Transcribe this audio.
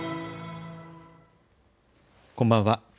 こんばんは。